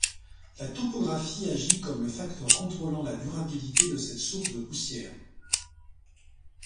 La topographie agit comme le facteur contrôlant la durabilité de cette source de poussière.